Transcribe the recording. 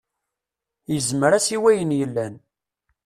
Yezmer-as i wayen yellan.